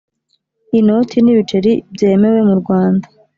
Inoti n ibiceri byemewe mu Rwanda